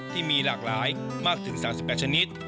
ที่มีหลากหลายมากถึง๓๘ชนิด